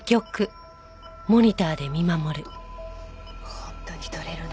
本当に取れるの？